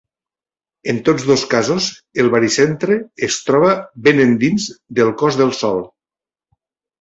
En tots dos casos el baricentre es troba ben endins del cos del Sol.